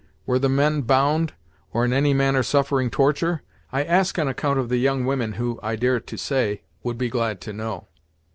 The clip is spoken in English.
Were the men bound, or in any manner suffering torture? I ask on account of the young women, who, I dare to say, would be glad to know."